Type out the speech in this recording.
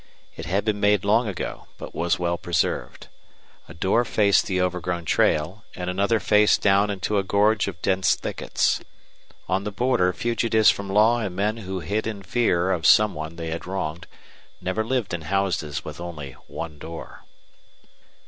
It had been made long ago, but was well preserved. A door faced the overgrown trail, and another faced down into a gorge of dense thickets. On the border fugitives from law and men who hid in fear of some one they had wronged never lived in houses with only one door.